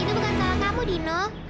itu bukan salah kamu dino